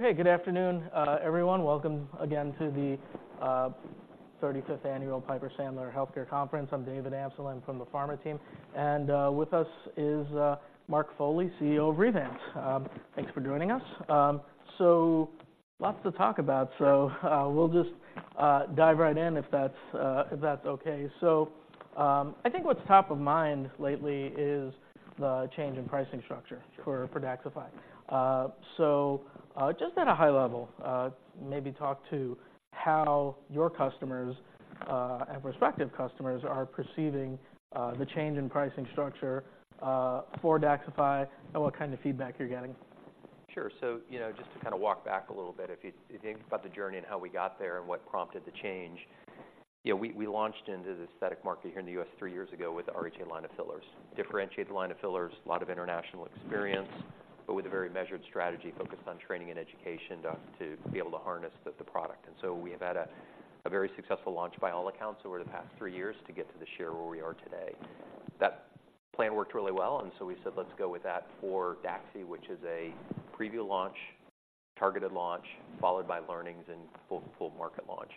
Hey, good afternoon, everyone. Welcome again to the thirty-fifth annual Piper Sandler Healthcare Conference. I'm David Amsellem from the pharma team, and with us is Mark Foley, CEO of Revance. Thanks for joining us. So lots to talk about, so we'll just dive right in if that's okay. So, I think what's top of mind lately is the change in pricing structure- Sure. For DAXXIFY. So, just at a high level, maybe talk to how your customers and prospective customers are perceiving the change in pricing structure for DAXXIFY, and what kind of feedback you're getting. Sure. So, you know, just to kind of walk back a little bit, if you, if you think about the journey and how we got there and what prompted the change, you know, we, we launched into the aesthetic market here in the U.S. three years ago with the RHA line of fillers. Differentiated line of fillers, a lot of international experience, but with a very measured strategy focused on training and education, doc, to be able to harness the, the product. And so we have had a, a very successful launch by all accounts over the past three years to get to the share where we are today. That plan worked really well, and so we said, "Let's go with that for Daxi," which is a preview launch, targeted launch, followed by learnings and full, full market launch.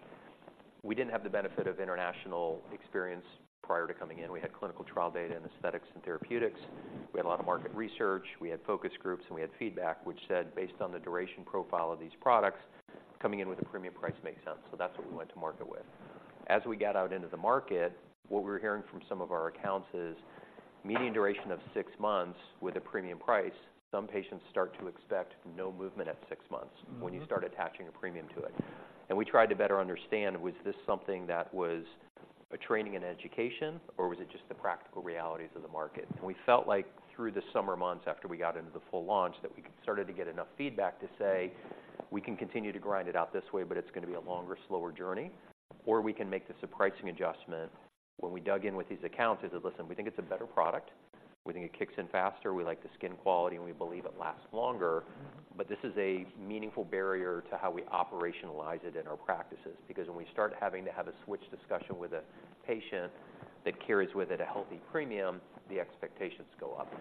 We didn't have the benefit of international experience prior to coming in. We had clinical trial data in aesthetics and therapeutics. We had a lot of market research, we had focus groups, and we had feedback, which said, based on the duration profile of these products, coming in with a premium price makes sense, so that's what we went to market with. As we got out into the market, what we were hearing from some of our accounts is median duration of six months with a premium price, some patients start to expect no movement at six months- Mm-hmm. When you start attaching a premium to it. We tried to better understand, was this something that was a training and education, or was it just the practical realities of the market? We felt like through the summer months, after we got into the full launch, that we started to get enough feedback to say, "We can continue to grind it out this way, but it's gonna be a longer, slower journey, or we can make this a pricing adjustment." When we dug in with these accounts, they said, "Listen, we think it's a better product. We think it kicks in faster, we like the skin quality, and we believe it lasts longer, but this is a meaningful barrier to how we operationalize it in our practices, because when we start having to have a switch discussion with a patient that carries with it a healthy premium, the expectations go up.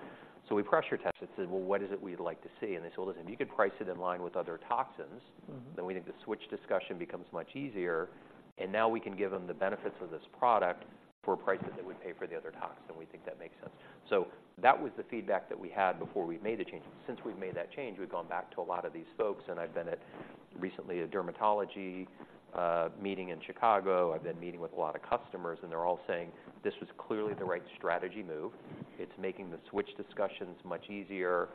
So we pressure-tested and said, "Well, what is it we'd like to see?" And they said, "Listen, if you could price it in line with other toxins- Mm-hmm. - then we think the switch discussion becomes much easier, and now we can give them the benefits of this product for a price that they would pay for the other toxin, we think that makes sense." So that was the feedback that we had before we made the change. Since we've made that change, we've gone back to a lot of these folks, and I've been at, recently, a dermatology meeting in Chicago. I've been meeting with a lot of customers, and they're all saying, "This was clearly the right strategy move. It's making the switch discussions much easier.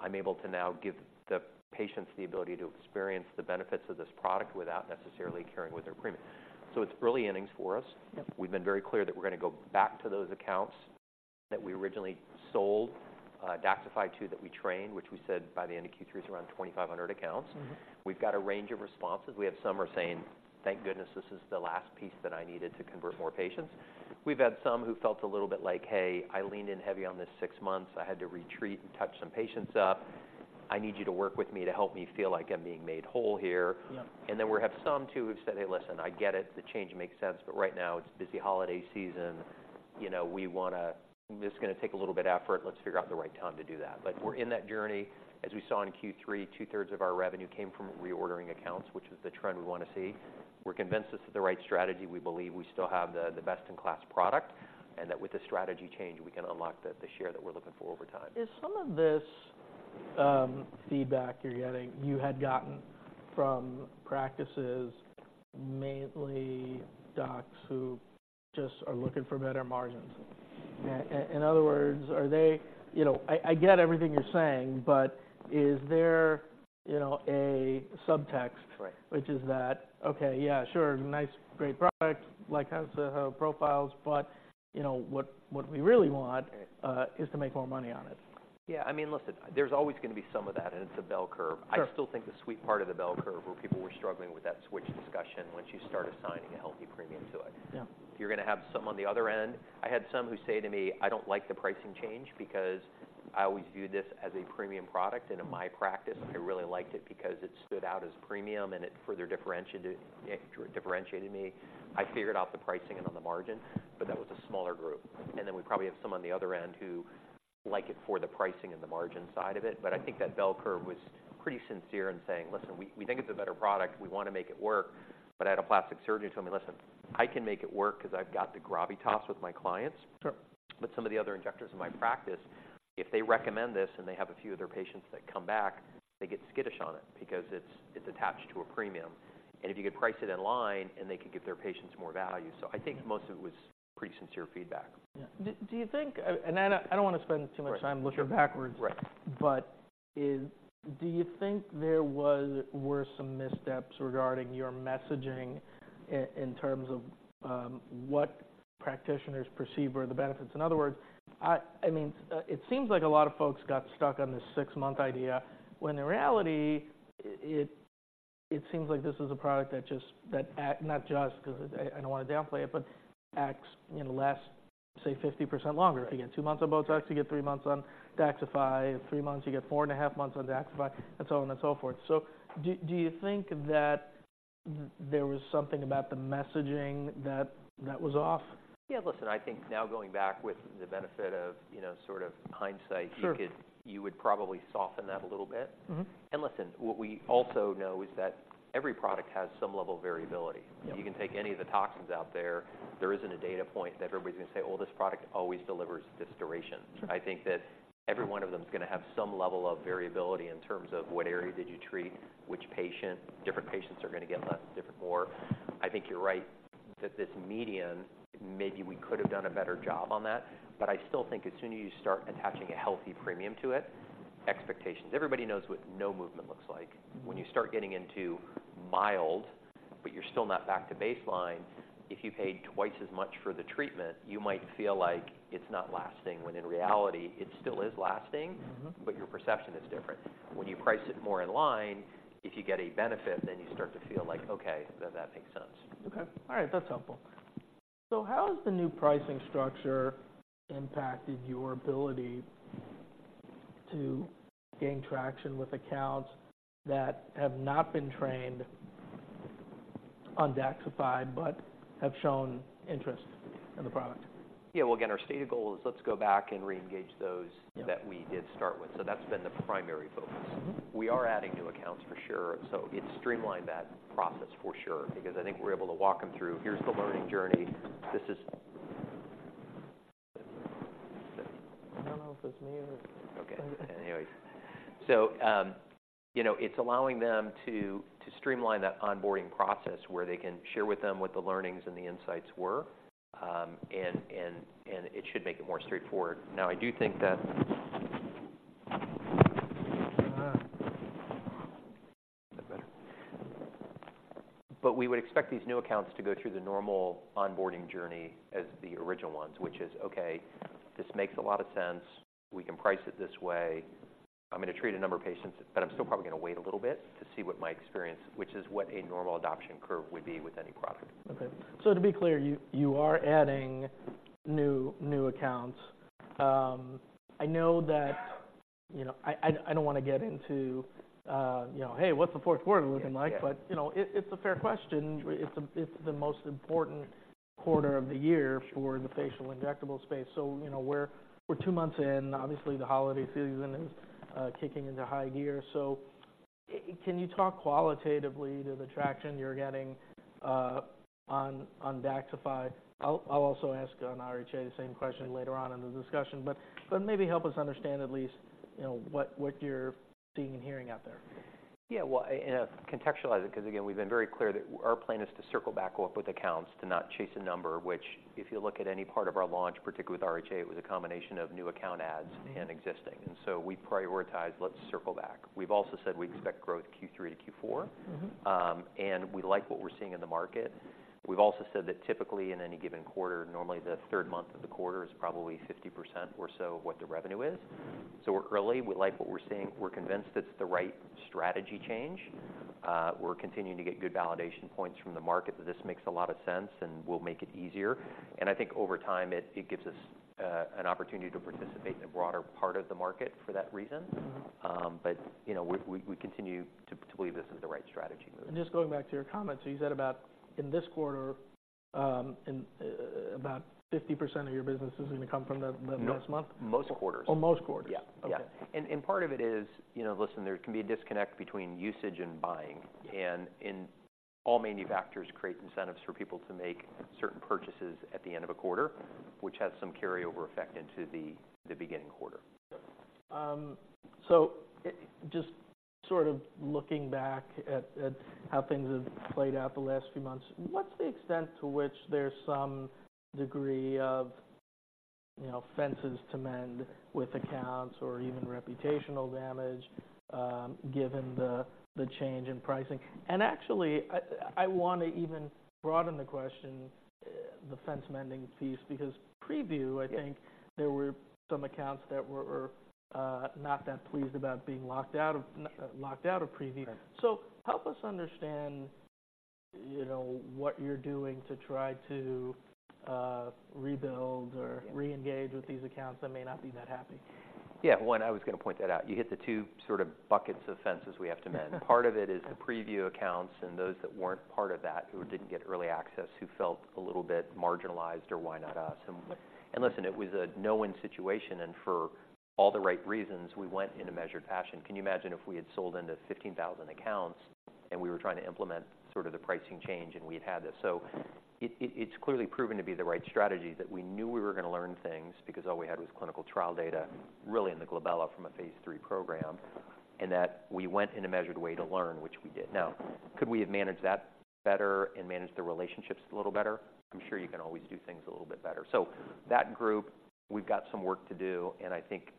I'm able to now give the patients the ability to experience the benefits of this product without necessarily carrying with it a premium." So it's early innings for us. Yep. We've been very clear that we're gonna go back to those accounts that we originally sold DAXXIFY to, that we trained, which we said by the end of Q3 is around 2,500 accounts. Mm-hmm. We've got a range of responses. We have some are saying, "Thank goodness, this is the last piece that I needed to convert more patients." We've had some who felt a little bit like, "Hey, I leaned in heavy on this six months. I had to retreat and touch some patients up. I need you to work with me to help me feel like I'm being made whole here. Yeah. And then we have some, too, who've said: "Hey, listen, I get it. The change makes sense, but right now it's busy holiday season. You know, we wanna... This is gonna take a little bit of effort. Let's figure out the right time to do that. Yeah. But we're in that journey. As we saw in Q3, two-thirds of our revenue came from reordering accounts, which is the trend we want to see. We're convinced this is the right strategy. We believe we still have the best-in-class product, and that with the strategy change, we can unlock the share that we're looking for over time. Is some of this feedback you're getting, you had gotten from practices, mainly docs, who just are looking for better margins? In other words, are they... You know, I get everything you're saying, but is there, you know, a subtext- Right which is that: "Okay, yeah, sure. Nice, great product, like how it profiles, but, you know, what, what we really want- Right. is to make more money on it? Yeah. I mean, listen, there's always gonna be some of that, and it's a bell curve. Sure. I still think the sweet part of the bell curve, where people were struggling with that switch discussion, once you start assigning a healthy premium to it. Yeah. You're gonna have some on the other end. I had some who say to me, "I don't like the pricing change because I always viewed this as a premium product, and in my practice, I really liked it because it stood out as premium and it further differentiated, differentiated me. I figured out the pricing and on the margin," but that was a smaller group. And then we probably have some on the other end who like it for the pricing and the margin side of it. But I think that bell curve was pretty sincere in saying: Listen, we, we think it's a better product. We want to make it work. But I had a plastic surgeon who told me: "Listen, I can make it work because I've got the gravitas with my clients. Sure. But some of the other injectors in my practice, if they recommend this, and they have a few of their patients that come back, they get skittish on it because it's attached to a premium, and if you could price it in line, and they could give their patients more value." So I think most of it was pretty sincere feedback. Yeah. Do you think... And I don't want to spend too much time- Sure. - looking backwards. Right. But do you think there were some missteps regarding your messaging in terms of what practitioners perceive were the benefits? In other words, I mean, it seems like a lot of folks got stuck on this six-month idea, when in reality, it seems like this is a product that not just because I don't want to downplay it, but acts, you know, lasts, say, 50% longer. You get two months on Botox, you get three months on DAXXIFY. In three months, you get four and a half months on DAXXIFY, and so on and so forth. So do you think that there was something about the messaging that was off? Yeah, listen, I think now going back with the benefit of, you know, sort of hindsight- Sure. You could, you would probably soften that a little bit. Mm-hmm. Listen, what we also know is that every product has some level of variability. Yeah. You can take any of the toxins out there, there isn't a data point that everybody's going to say, "Oh, this product always delivers this duration. Sure. I think that every one of them is going to have some level of variability in terms of what area did you treat, which patient, different patients are going to get less, different more. I think you're right, that this median, maybe we could have done a better job on that, but I still think as soon as you start attaching a healthy premium to it, expectations. Everybody knows what no movement looks like. Mm-hmm. When you start getting into mild, but you're still not back to baseline, if you paid twice as much for the treatment, you might feel like it's not lasting, when in reality, it still is lasting- Mm-hmm... but your perception is different. When you price it more in line, if you get a benefit, then you start to feel like, "Okay, then that makes sense. Okay. All right, that's helpful. So how has the new pricing structure impacted your ability to gain traction with accounts that have not been trained on DAXXIFY, but have shown interest in the product? Yeah. Well, again, our stated goal is let's go back and reengage those- Yeah... that we did start with. That's been the primary focus. Mm-hmm. We are adding new accounts for sure, so it's streamlined that process for sure, because I think we're able to walk them through, "Here's the learning journey. This is- I don't know if it's me or... Okay, anyways. So, you know, it's allowing them to, to streamline that onboarding process, where they can share with them what the learnings and the insights were, and it should make it more straightforward. Now, I do think that- Uh. Is that better? But we would expect these new accounts to go through the normal onboarding journey as the original ones, which is, "Okay, this makes a lot of sense. We can price it this way. I'm going to treat a number of patients, but I'm still probably going to wait a little bit to see what my experience," which is what a normal adoption curve would be with any product. Okay. So to be clear, you are adding new accounts. I know that. You know, I don't want to get into, you know, "Hey, what's the fourth quarter looking like? Yeah. But, you know, it's a fair question. It's the most important quarter of the year- Sure... for the facial injectable space. So, you know, we're two months in. Obviously, the holiday season is kicking into high gear. So can you talk qualitatively to the traction you're getting on DAXXIFY? I'll also ask on RHA the same question later on in the discussion, but maybe help us understand at least, you know, what you're seeing and hearing out there. Yeah. Well, and, contextualize it, because, again, we've been very clear that our plan is to circle back up with accounts, to not chase a number, which, if you look at any part of our launch, particularly with RHA, it was a combination of new account ads- Mm-hmm... and existing. And so we prioritize, let's circle back. We've also said we expect growth Q3 to Q4. Mm-hmm. And we like what we're seeing in the market. We've also said that typically in any given quarter, normally the third month of the quarter is probably 50% or so of what the revenue is. So we're early. We like what we're seeing. We're convinced it's the right strategy change. We're continuing to get good validation points from the market, that this makes a lot of sense and will make it easier. And I think over time, it, it gives us an opportunity to participate in a broader part of the market for that reason. Mm-hmm. But, you know, we continue to believe this is the right strategy move. Just going back to your comment, so you said about in this quarter about 50% of your business is going to come from the- No... the last month? Most quarters. Oh, most quarters. Yeah. Okay. Yeah. And part of it is, you know, listen, there can be a disconnect between usage and buying, and all manufacturers create incentives for people to make certain purchases at the end of a quarter, which has some carryover effect into the beginning quarter. So just sort of looking back at how things have played out the last few months, what's the extent to which there's some degree of, you know, fences to mend with accounts or even reputational damage, given the change in pricing? And actually, I want to even broaden the question, the fence mending piece, because preview- Yeah... I think there were some accounts that were not that pleased about being locked out of preview. Right. So help us understand, you know, what you're doing to try to rebuild or- Yeah... reengage with these accounts that may not be that happy. Yeah. One, I was going to point that out. You hit the two sort of buckets of fences we have to mend. Part of it is the preview accounts and those that weren't part of that, who didn't get early access, who felt a little bit marginalized, or why not us? Right. And listen, it was a no-win situation, and for all the right reasons, we went in a measured passion. Can you imagine if we had sold into 15,000 accounts and we were trying to implement sort of the pricing change, and we'd had this? So it, it, it's clearly proven to be the right strategy, that we knew we were going to learn things because all we had was clinical trial data, really in the glabella from a Phase 3 program, and that we went in a measured way to learn, which we did. Now, could we have managed that better and managed the relationships a little better? I'm sure you can always do things a little bit better. So that group, we've got some work to do, and I think,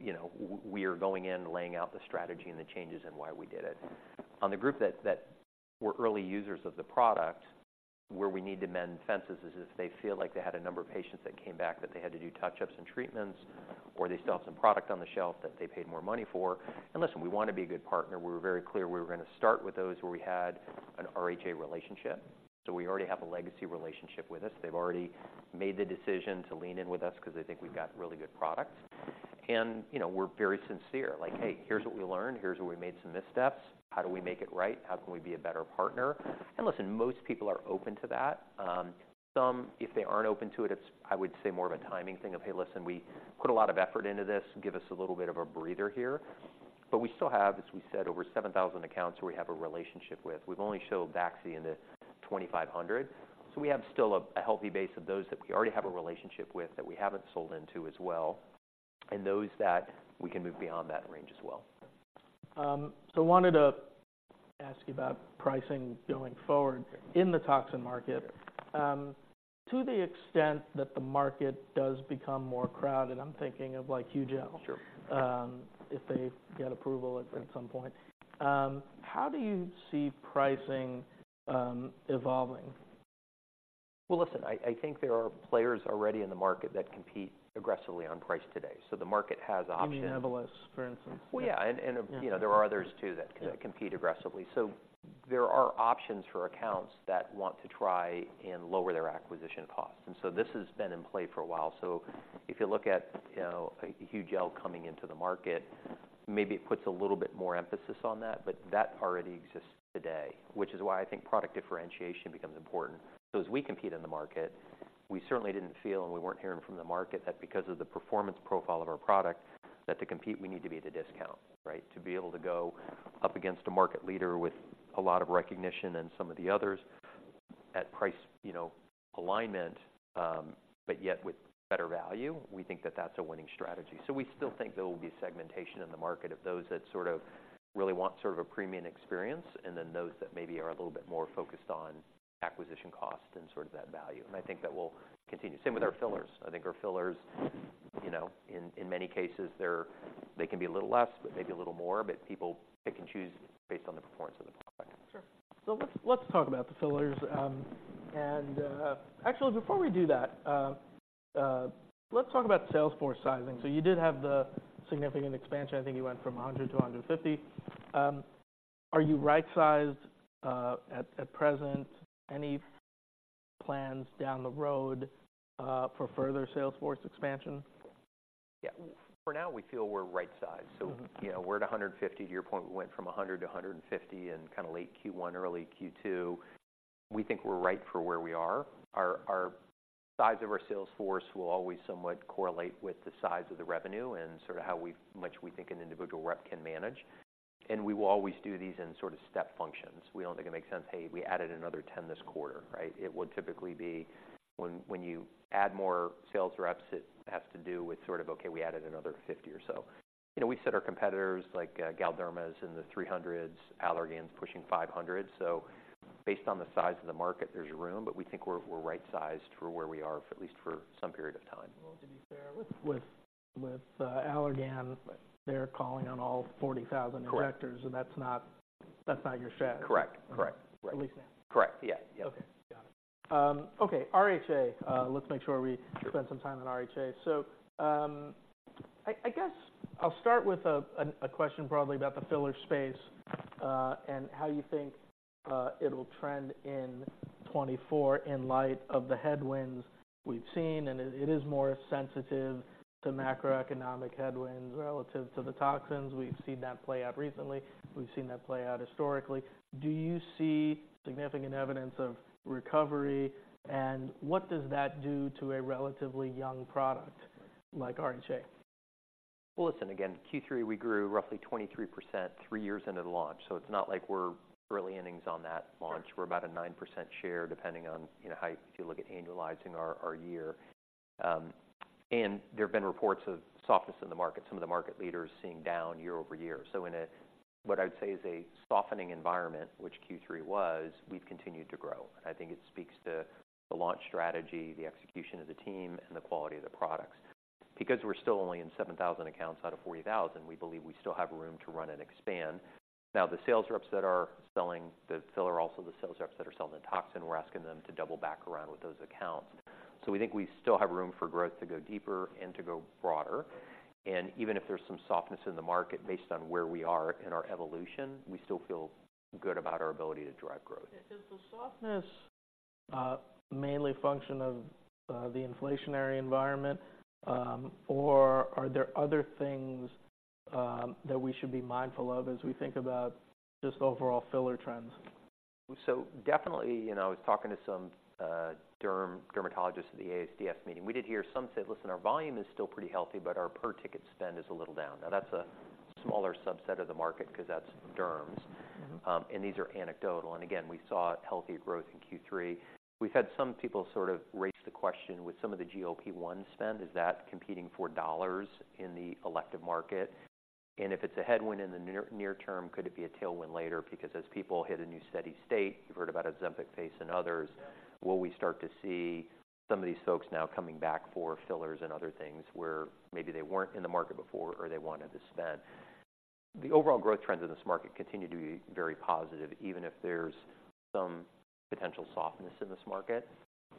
you know, we are going in, laying out the strategy and the changes and why we did it. On the group that were early users of the product, where we need to mend fences is if they feel like they had a number of patients came back that they had to do touch-ups and treatments, or they still have some product on the shelf that they paid more money for. And listen, we want to be a good partner. We were very clear we were going to start with those where we had an RHA relationship, so we already have a legacy relationship with us. They've already made the decision to lean in with us because they think we've got really good products. And, you know, we're very sincere. Like, "Hey, here's what we learned, here's where we made some missteps. How do we make it right? How can we be a better partner?" And listen, most people are open to that. Some, if they aren't open to it, it's, I would say, more of a timing thing of, "Hey, listen, we put a lot of effort into this, give us a little bit of a breather here." But we still have, as we said, over 7,000 accounts we have a relationship with. We've only showed Daxi in the 2,500, so we have still a healthy base of those that we already have a relationship with, that we haven't sold into as well, and those that we can move beyond that range as well. So, I wanted to ask you about pricing going forward in the toxin market. To the extent that the market does become more crowded, I'm thinking of, like, Hugel- Sure. If they get approval at some point. How do you see pricing evolving? Well, listen, I think there are players already in the market that compete aggressively on price today. So the market has options- You mean Evolus, for instance? Well, yeah. And, you know, there are others, too, that compete aggressively. So there are options for accounts that want to try and lower their acquisition costs, and so this has been in play for a while. So if you look at, you know, a Hugel coming into the market, maybe it puts a little bit more emphasis on that, but that already exists today, which is why I think product differentiation becomes important. So as we compete in the market, we certainly didn't feel, and we weren't hearing from the market, that because of the performance profile of our product, that to compete, we need to be at a discount, right? To be able to go up against a market leader with a lot of recognition and some of the others at price, you know, alignment, but yet with better value, we think that that's a winning strategy. So we still think there will be segmentation in the market of those that sort of really want sort of a premium experience, and then those that maybe are a little bit more focused on acquisition costs and sort of that value. And I think that will continue. Same with our fillers. I think our fillers, you know, in many cases, they can be a little less, but maybe a little more, but people pick and choose based on the performance of the product. Sure. So let's talk about the fillers. Actually, before we do that, let's talk about sales force sizing. So you did have the significant expansion. I think you went from 100 to 150. Are you right-sized at present? Any plans down the road for further sales force expansion? Yeah. For now, we feel we're right-sized. Mm-hmm. So, you know, we're at 150. To your point, we went from 100 to 150 in kind of late Q1, early Q2. We think we're right for where we are. Our size of our sales force will always somewhat correlate with the size of the revenue and sort of how much we think an individual rep can manage. And we will always do these in sort of step functions. We don't think it makes sense, "Hey, we added another 10 this quarter" right? It would typically be when you add more sales reps, it has to do with sort of, okay, we added another 50 or so. You know, we size our competitors, like, Galderma's in the 300s, Allergan's pushing 500. Based on the size of the market, there's room, but we think we're right-sized for where we are, at least for some period of time. Well, to be fair, with Allergan, they're calling on all 40,000- Correct... injectors, and that's not, that's not your strategy. Correct. Correct. At least now. Correct. Yeah. Yeah. Okay. Got it. Okay, RHA. Let's make sure we spend some time on RHA. So, I guess I'll start with a question broadly about the filler space, and how you think it'll trend in 2024 in light of the headwinds we've seen, and it is more sensitive to macroeconomic headwinds relative to the toxins. We've seen that play out recently. We've seen that play out historically. Do you see significant evidence of recovery, and what does that do to a relatively young product like RHA? Well, listen, again, Q3, we grew roughly 23%, 3 years into the launch, so it's not like we're early innings on that launch. Sure. We're about a 9% share, depending on, you know, how, if you look at annualizing our year. And there have been reports of softness in the market, some of the market leaders seeing down year-over-year. So in a... What I'd say is a softening environment, which Q3 was, we've continued to grow. I think it speaks to the launch strategy, the execution of the team, and the quality of the products. Because we're still only in 7,000 accounts out of 40,000, we believe we still have room to run and expand. Now, the sales reps that are selling the filler, also the sales reps that are selling the toxin, we're asking them to double back around with those accounts. So we think we still have room for growth to go deeper and to go broader. Even if there's some softness in the market, based on where we are in our evolution, we still feel good about our ability to drive growth. Is the softness mainly a function of the inflationary environment, or are there other things that we should be mindful of as we think about just overall filler trends? So definitely, you know, I was talking to some derm, dermatologists at the ASDS meeting. We did hear some said, "Listen, our volume is still pretty healthy, but our per-ticket spend is a little down." Now, that's a smaller subset of the market because that's derms. Mm-hmm. These are anecdotal. Again, we saw healthier growth in Q3. We've had some people sort of raise the question with some of the GLP-1 spend: is that competing for dollars in the elective market? And if it's a headwind in the near, near term, could it be a tailwind later? Because as people hit a new steady state, you've heard about Ozempic face and others, will we start to see some of these folks now coming back for fillers and other things where maybe they weren't in the market before or they wanted to spend? The overall growth trends in this market continue to be very positive, even if there's some potential softness in this market.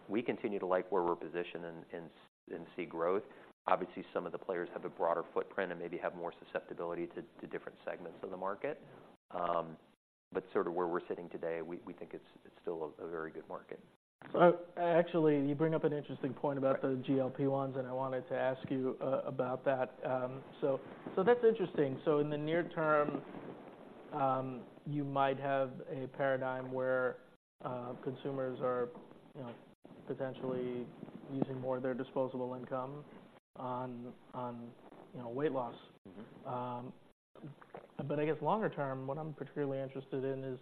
We continue to like where we're positioned and see growth. Obviously, some of the players have a broader footprint and maybe have more susceptibility to different segments of the market. But sort of where we're sitting today, we think it's still a very good market. Well, actually, you bring up an interesting point about- Right - the GLP-1s, and I wanted to ask you about that. So that's interesting. So in the near term, you might have a paradigm where consumers are, you know, potentially using more of their disposable income on, you know, weight loss. Mm-hmm. But I guess longer term, what I'm particularly interested in is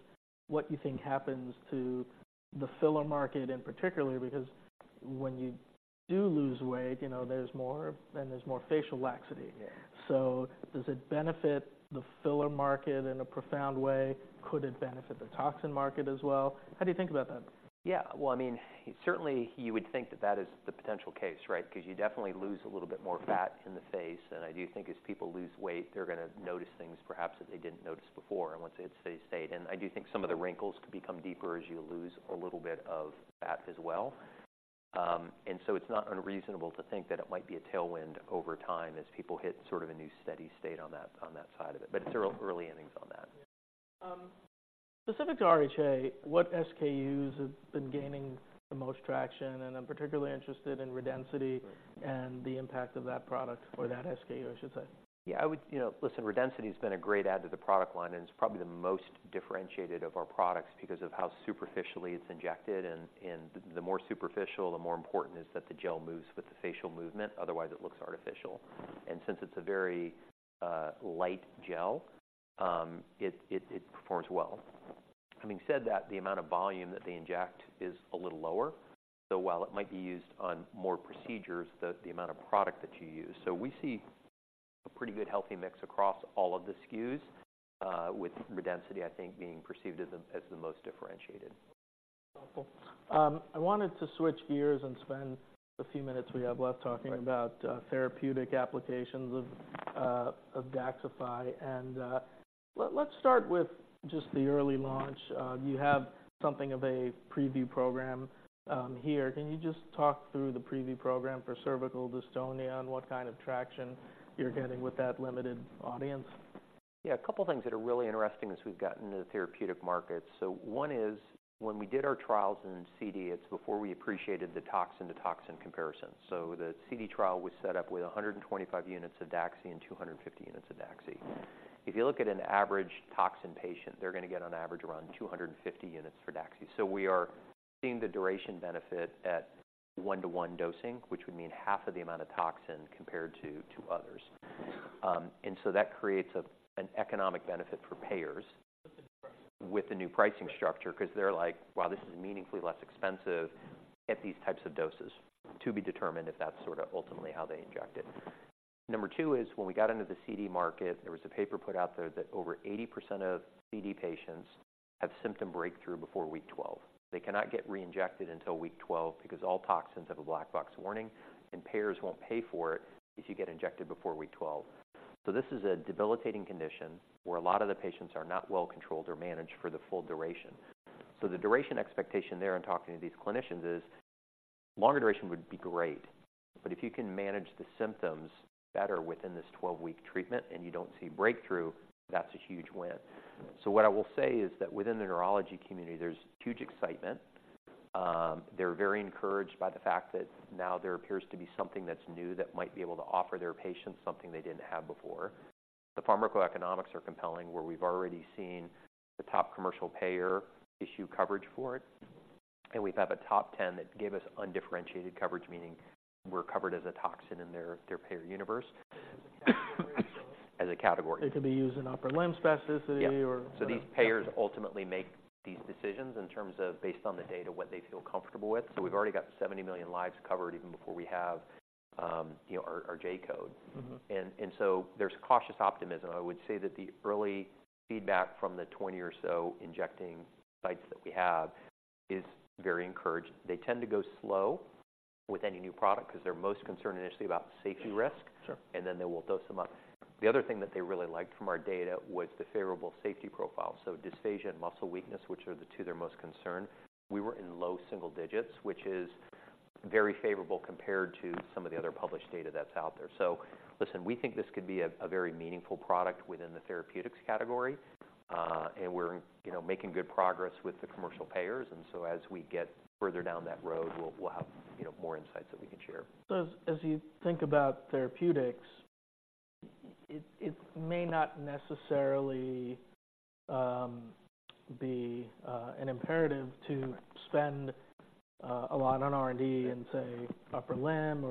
what you think happens to the filler market in particular, because when you do lose weight, you know, there's more facial laxity. Yeah. Does it benefit the filler market in a profound way? Could it benefit the toxin market as well? How do you think about that? Yeah. Well, I mean, certainly you would think that that is the potential case, right? 'Cause you definitely lose a little bit more fat in the face, and I do think as people lose weight, they're gonna notice things perhaps that they didn't notice before, and once they hit a steady state. And I do think some of the wrinkles could become deeper as you lose a little bit of fat as well. And so it's not unreasonable to think that it might be a tailwind over time as people hit sort of a new steady state on that, on that side of it. But it's early innings on that. Yeah. Specific to RHA, what SKUs have been gaining the most traction? And I'm particularly interested in Redensity- Right and the impact of that product, or that SKU, I should say. Yeah, I would. You know, listen, Redensity has been a great add to the product line, and it's probably the most differentiated of our products because of how superficially it's injected, and the more superficial, the more important is that the gel moves with the facial movement. Otherwise, it looks artificial. And since it's a very light gel, it performs well. Having said that, the amount of volume that they inject is a little lower. So while it might be used on more procedures, the amount of product that you use. So we see a pretty good healthy mix across all of the SKUs with Redensity, I think, being perceived as the most differentiated. Wonderful. I wanted to switch gears and spend the few minutes we have left talking- Right - about therapeutic applications of DAXXIFY. And, let's start with just the early launch. You have something of a preview program here. Can you just talk through the preview program for cervical dystonia and what kind of traction you're getting with that limited audience? Yeah, a couple of things that are really interesting as we've got into the therapeutic market. So one is when we did our trials in CD, it's before we appreciated the toxin to toxin comparison. So the CD trial was set up with 125 units of DAXXIFY and 250 units of DAXXIFY. If you look at an average toxin patient, they're gonna get on average around 250 units for DAXXIFY. So we are seeing the duration benefit at one-to-one dosing, which would mean half of the amount of toxin compared to, to others. And so that creates an economic benefit for payers with the new pricing structure because they're like, "Wow, this is meaningfully less expensive at these types of doses." To be determined if that's sort of ultimately how they inject it. Number 2 is when we got into the CD market, there was a paper put out there that over 80% of CD patients have symptom breakthrough before week 12. They cannot get reinjected until week 12 because all toxins have a black box warning, and payers won't pay for it if you get injected before week 12. So this is a debilitating condition where a lot of the patients are not well controlled or managed for the full duration. So the duration expectation there in talking to these clinicians is longer duration would be great, but if you can manage the symptoms better within this 12-week treatment and you don't see breakthrough, that's a huge win. So what I will say is that within the neurology community, there's huge excitement. They're very encouraged by the fact that now there appears to be something that's new that might be able to offer their patients something they didn't have before. The pharmacoeconomics are compelling, where we've already seen the top commercial payer issue coverage for it, and we have a top ten that gave us undifferentiated coverage, meaning we're covered as a toxin in their payer universe. As a category. It could be used in upper limb spasticity- Yeah - or... So these payers ultimately make these decisions in terms of based on the data, what they feel comfortable with. So we've already got 70 million lives covered even before we have our J code. Mm-hmm. So there's cautious optimism. I would say that the early feedback from the 20 or so injecting sites that we have is very encouraged. They tend to go slow with any new product because they're most concerned initially about safety risk. Sure. Then they will dose them up. The other thing that they really liked from our data was the favorable safety profile. So dysphagia and muscle weakness, which are the two they're most concerned, we were in low single digits, which is very favorable compared to some of the other published data that's out there. So listen, we think this could be a very meaningful product within the therapeutics category, and we're, you know, making good progress with the commercial payers, and so as we get further down that road, we'll, we'll have, you know, more insights that we can share. So as you think about therapeutics, it may not necessarily be an imperative to spend a lot on R&D in, say, upper limb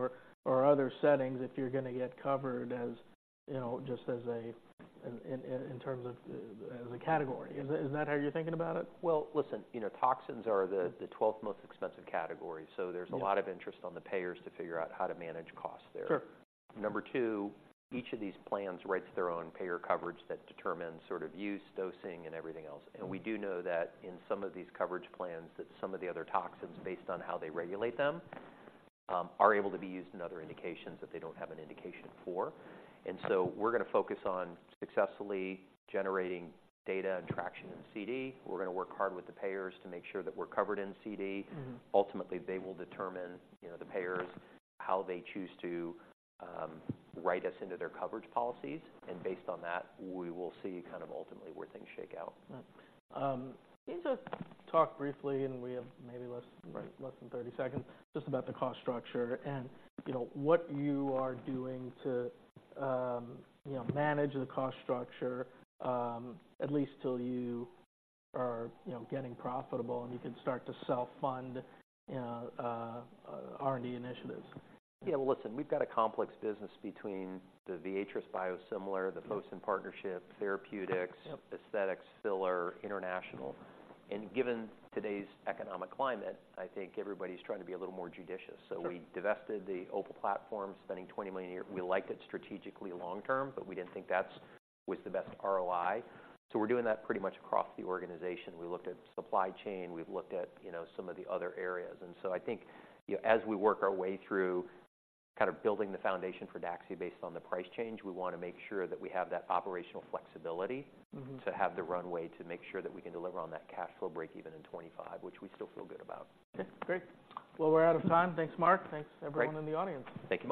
or other settings if you're gonna get covered, as you know, just as a category. Is that how you're thinking about it? Well, listen, you know, toxins are the twelfth most expensive category, so. Yeah - There's a lot of interest on the payers to figure out how to manage costs there. Sure. Number 2, each of these plans writes their own payer coverage that determines sort of use, dosing, and everything else. Mm-hmm. And we do know that in some of these coverage plans, that some of the other toxins, based on how they regulate them, are able to be used in other indications that they don't have an indication for. So we're gonna focus on successfully generating data and traction in CD. We're gonna work hard with the payers to make sure that we're covered in CD. Mm-hmm. Ultimately, they will determine, you know, the payers, how they choose to write us into their coverage policies, and based on that, we will see kind of ultimately where things shake out. Can you just talk briefly, and we have maybe less- Right... less than 30 seconds, just about the cost structure and, you know, what you are doing to, you know, manage the cost structure, at least till you are, you know, getting profitable and you can start to self-fund R&D initiatives. Yeah, listen, we've got a complex business between the Viatris biosimilar, the Fosun partnership, therapeutics- Yep... aesthetics, filler, international. Given today's economic climate, I think everybody's trying to be a little more judicious. Sure. So we divested the OPUL platform, spending $20 million a year. We liked it strategically long term, but we didn't think that was the best ROI. So we're doing that pretty much across the organization. We looked at supply chain, we've looked at, you know, some of the other areas. And so I think, you know, as we work our way through kind of building the foundation for DAXXIFY based on the price change, we want to make sure that we have that operational flexibility- Mm-hmm... to have the runway to make sure that we can deliver on that cash flow break even in 2025, which we still feel good about. Okay, great. Well, we're out of time. Thanks, Mark. Thanks, everyone. Great... in the audience. Thank you much.